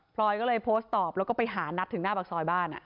ลอยก็เลยโพสต์ตอบแล้วก็ไปหานัดถึงหน้าปากซอยบ้าน